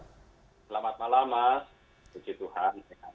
selamat malam mas puji tuhan sehat